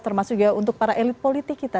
termasuk juga untuk para elit politik kita